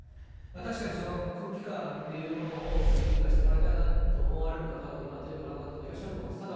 確かにその空気感というものを理解してもらいたいなと思われる方は、今、テレビご覧の方でもいらっしゃると思います。